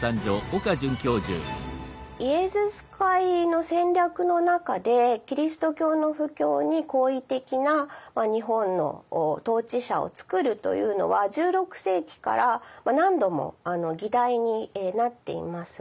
イエズス会の戦略の中でキリスト教の布教に好意的な日本の統治者を作るというのは１６世紀から何度も議題になっています。